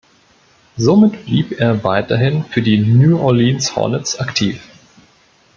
Somit blieb er weiterhin für die New Orleans Hornets aktiv.